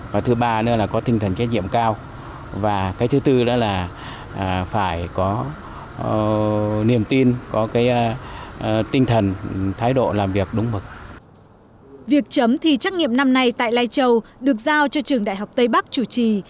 việc chấm thi trắc nghiệm năm nay tại lai châu được giao cho trường đại học tây bắc chủ trì